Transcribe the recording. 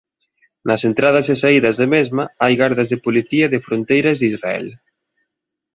Nas entradas e saídas da mesma hai gardas da Policía de Fronteiras de Israel.